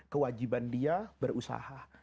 kewajiban dia berusaha